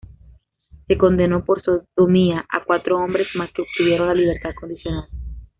Se condenó por sodomía a cuatro hombres más que obtuvieron la libertad condicional.